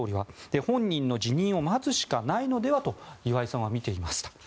本人の辞任を待つしかないのではと岩井さんは見ていますと。